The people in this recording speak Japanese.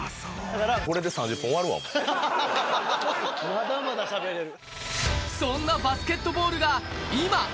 まだまだしゃべれる！